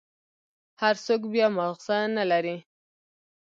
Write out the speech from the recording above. هر سوک بيا مازغه نلري.